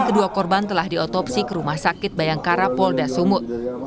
kedua korban telah diotopsi ke rumah sakit bayangkara polda sumut